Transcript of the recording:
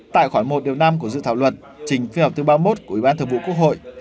tại khoản một điều năm của dự thảo luật trình phiên họp thứ ba mươi một của ủy ban thượng vụ quốc hội